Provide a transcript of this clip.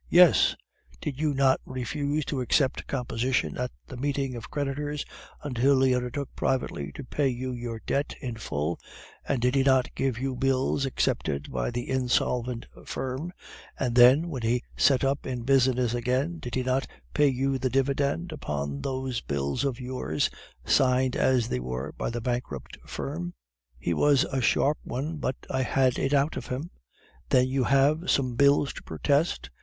"'Yes. Did you not refuse to accept composition at the meeting of creditors until he undertook privately to pay you your debt in full; and did he not give you bills accepted by the insolvent firm; and then, when he set up in business again, did he not pay you the dividend upon those bills of yours, signed as they were by the bankrupt firm?' "'He was a sharp one, but I had it out of him.' "'Then have you some bills to protest?